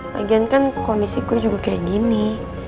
lagian kan kondisi gue juga kayak gini